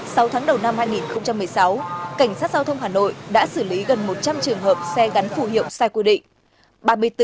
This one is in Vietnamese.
sau tháng đầu năm hai nghìn một mươi sáu cảnh sát giao thông hà nội đã xử lý gần một trăm linh trường hợp xe gắn phù hiệu sai quy định